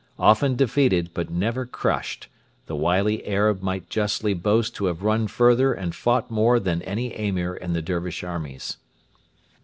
Often defeated, but never crushed, the wily Arab might justly boast to have run further and fought more than any Emir in the Dervish armies.